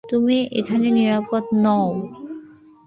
তুমি এখানে নিরাপদ নও।